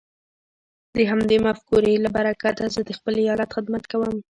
د همدې مفکورې له برکته زه د خپل ايالت خدمت کوم.